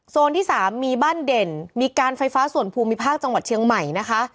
ที่๓มีบ้านเด่นมีการไฟฟ้าส่วนภูมิภาคจังหวัดเชียงใหม่นะคะ